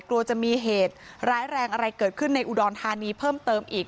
กลัวจะมีเหตุร้ายแรงอะไรเกิดขึ้นในอุดรธานีเพิ่มเติมอีก